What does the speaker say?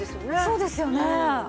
そうですよね。